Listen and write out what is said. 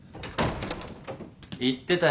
言ってたよ。